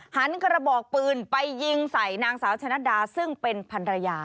หันกระบอกปืนไปยิงใส่นางสาวชะนัดดาซึ่งเป็นพันรยา